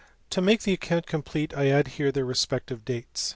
To make the account complete I add here their respec tive dates.